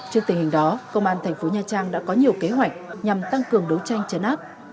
trước tình hình đó công an thành phố nha trang đã có nhiều kế hoạch nhằm tăng cường đấu tranh chấn áp